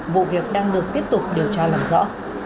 vụ việc đang được tiếp tục điều tra làm rõ